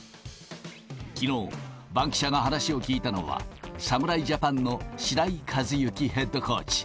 きのう、バンキシャが話を聞いたのは、侍ジャパンの白井一幸ヘッドコーチ。